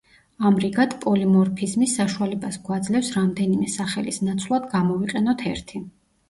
ამრიგად, პოლიმორფიზმი საშუალებას გვაძლევს რამდენიმე სახელის ნაცვლად გამოვიყენოთ ერთი.